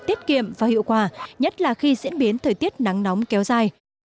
tiết kiệm và hiệu quả nhất là khi diễn biến thời tiết nắng nóng kéo dài